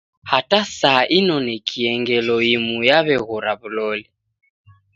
Hata saa inonekie ngelo imu yaweghora wuloli.